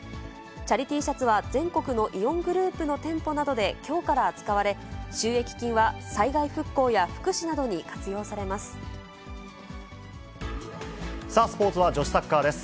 チャリＴシャツは全国のイオングループの店舗などできょうから扱われ、収益金は災害復興や福士なさあ、スポーツは女子サッカーです。